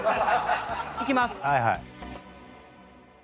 いきます。